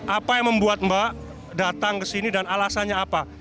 apa yang membuat mbak datang kesini dan alasannya apa